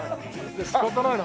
仕方ないな。